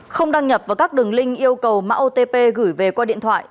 không đăng nhập vào các đường link yêu cầu mạng otp gửi về qua điện thoại